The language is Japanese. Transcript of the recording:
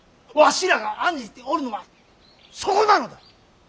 わしらが案じておるのはそこなのだ。